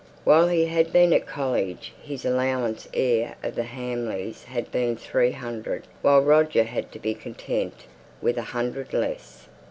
While he had been at college his allowance heir of the Hamleys had been three hundred, while Roger had to be content with a hundred less.